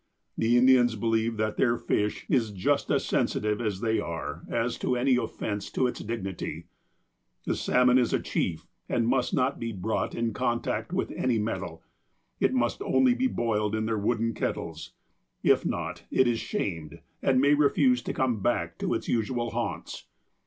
The Indians believe that their fish is just as sensitive as they are as to any offense to its dignity. The salmon is a chief, and must not be brought in contact with any metal. It must only be boiled in their wooden kettles. If not, it is "shamed " and may refuse to come back to its usual haunts.